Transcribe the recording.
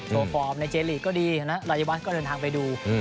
โตรฟอร์มในเจนลีกก็ดีนะฮะรายวัฒน์ก็เดินทางไปดูอืม